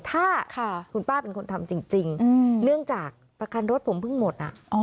ถ้าคุณป้าเป็นคนทำจริงเนื่องจากประกันรถผมเพิ่งหมด